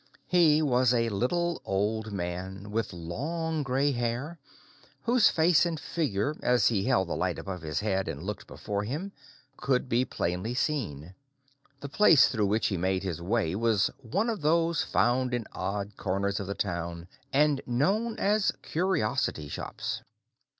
He was a little old man, with long gray hair, whose face and figure, as he held the light above his head and looked before him, could be plainly seen. The place through which he made his way was one of those found in odd corners of the town, and known as "curiosity shops."